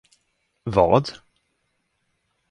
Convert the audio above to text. Vad?